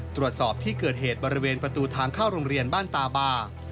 ตรวจสอบที่เกิดเหตุบริเวณประตูทางเข้าโรงเรียนบ้านตาบา